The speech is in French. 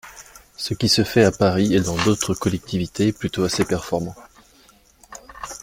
Ce qui se fait à Paris et dans d’autres collectivités est plutôt assez performant.